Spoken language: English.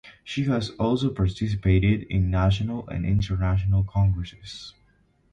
She has also participated in national and international congresses.